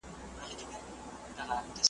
ته د ژوند له تنهایی څخه ډارېږې .